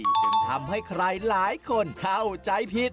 จึงทำให้ใครหลายคนเข้าใจผิด